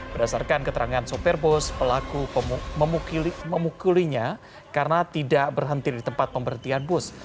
berdasarkan keterangan sopir bus pelaku memukulinya karena tidak berhenti di tempat pemberhentian bus